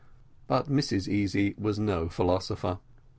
But Mrs Easy was no philosopher.